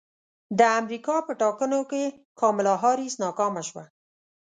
د امریکا په ټاکنو کې کاملا حارس ناکامه شوه